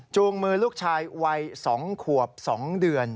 มือลูกชายวัย๒ขวบ๒เดือน